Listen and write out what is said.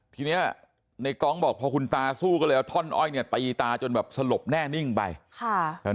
ทีเนี้ยในกองบอกพอคุณตาสู้ก็เลยเอาท่อนอ้อยเนี่ยตีตาจนแบบสลบแน่นิ่งไปค่ะ